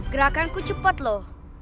gerakanku cepat loh